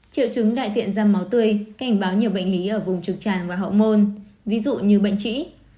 triệu chứng đại thiện ra máu tươi cảnh báo nhiều bệnh lý ở vùng trực tràng và hậu môn ví dụ như bệnh trĩ